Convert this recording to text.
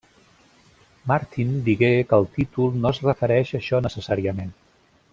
Martin digué que el títol no es refereix a això necessàriament.